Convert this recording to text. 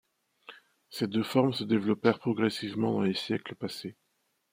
Ces deux formes se développèrent progressivement dans les siècles passés.